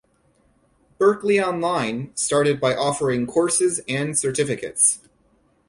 Berklee Online started by offering courses and certificates.